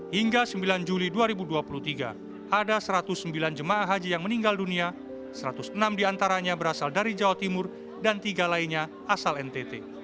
hingga sembilan juli dua ribu dua puluh tiga ada satu ratus sembilan jemaah haji yang meninggal dunia satu ratus enam diantaranya berasal dari jawa timur dan tiga lainnya asal ntt